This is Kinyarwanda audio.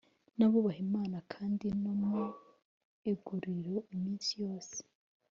n abubaha imana kandi no mu iguriro iminsi yose